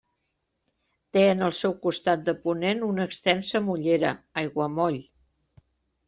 Té en el seu costat de ponent una extensa mollera, aiguamoll.